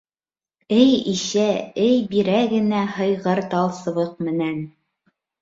Эй ишә, эй бирә генә һыйғыр тал сыбыҡ менән.